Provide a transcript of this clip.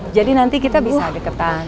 jadi nanti kita bisa deketan